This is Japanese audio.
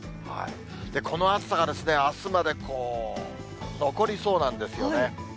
この暑さがあすまで残りそうなんですよね。